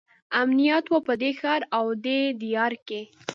امنیت وو په دې ښار او دې دیار کې.